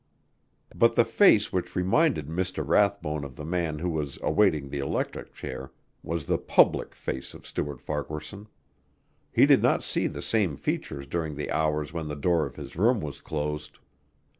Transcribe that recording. But the face which reminded Mr. Rathbone of the man who was awaiting the electric chair was the public face of Stuart Farquaharson. He did not see the same features during the hours when the door of his room was closed.